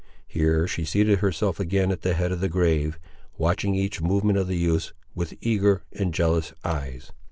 Here she seated herself again at the head of the grave, watching each movement of the youths with eager and jealous eyes.